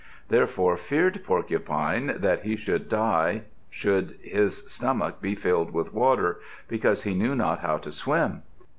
Therefore feared Porcupine that he should die should his stomach be filled with water, because he knew not how to swim.